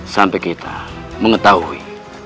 sampai kita mengetahui